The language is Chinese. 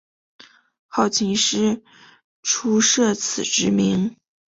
后秦时初设此职名。